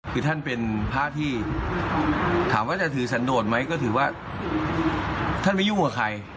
คือท่านเป็นพระที่ถามว่าจะถือสันโดดไหมก็ถือว่าท่านไม่ยุ่งกับใคร